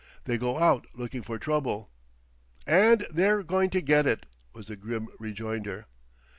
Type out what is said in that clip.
They go out looking for trouble." "And they're going to get it," was the grim rejoinder.